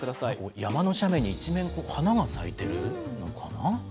山の斜面に一面花が咲いてるのかな？